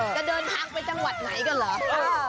จะเดินทางไปจังหวัดไหนกันเหรอ